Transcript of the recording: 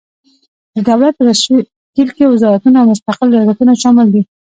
د دولت په تشکیل کې وزارتونه او مستقل ریاستونه شامل دي.